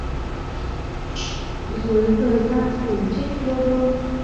Dưới trời gian khổ chết yêu đương